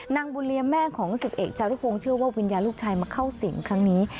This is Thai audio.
นางบุญเรียนแม่ของ๑๑ชาวที่คงเชื่อว่าวิญญาณลูกชายมาเข้าศิลป์ครั้งนี้